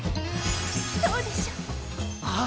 そうでしょ？ああ！